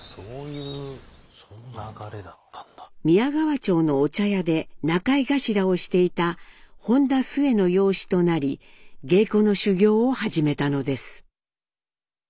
宮川町のお茶屋で仲居頭をしていた本田スエの養子となり芸妓の修業を始めたのです。